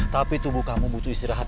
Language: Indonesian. tapi tubuh kamu butuh istirahat